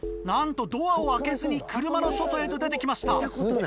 なんとドアを開けずに車の外へと出て来ました。